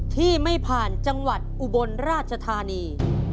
ที่ไม่ผ่านจังหวัดอุบลราชธานี